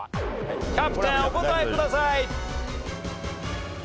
キャプテンお答えください。